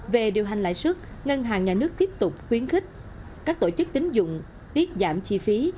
về điều hành lãi suất ngân hàng nhà nước tiếp tục khuyến khích các tổ chức tính dụng tiết giảm chi phí